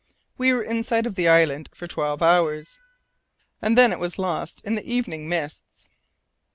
We were in sight of the island for twelve hours, and then it was lost in the evening mists.